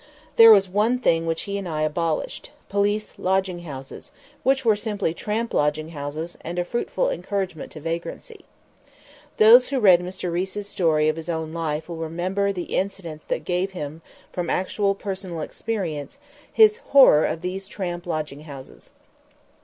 There was one thing which he and I abolished police lodging houses, which were simply tramp lodging houses, and a fruitful encouragement to vagrancy. Those who read Mr. Riis's story of his own life will remember the incidents that gave him from actual personal experience his horror of these tramp lodging houses.